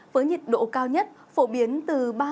với nhiệt độ cao nhất phổ biến từ ba mươi ba mươi năm độ